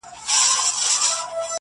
لا په زړه كي مي هغه نشه تازه ده؛